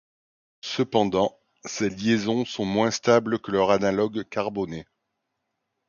Cependant, ces liaisons sont moins stables que leurs analogues carbonés.